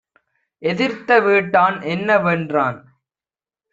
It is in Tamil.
எதிர்த்த வீட்டான் என்ன வென்றான்.